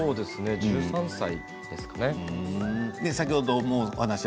１３歳ですかね。